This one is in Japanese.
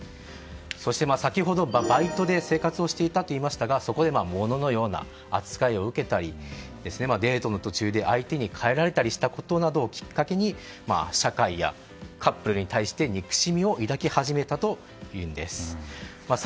そして、先ほどバイトで生活をしていたと言いましたがそこで物のような扱いを受けたりデートの途中で相手に帰られたりしたことなどをきっかけに社会やカップルに対して憎しみを抱き始めたというんです。